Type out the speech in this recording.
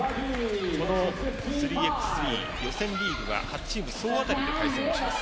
この３ｘ３、予選リーグは８チーム総当たりで対戦します。